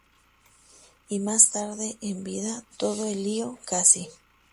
Y más tarde en vida, "Todo el lío casi".